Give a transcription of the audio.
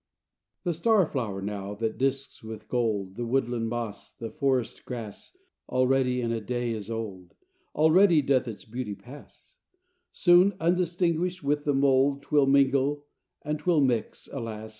IX The star flower now, that disks with gold The woodland moss, the forest grass, Already in a day is old, Already doth its beauty pass; Soon, undistinguished, with the mould 'Twill mingle and 'twill mix, alas.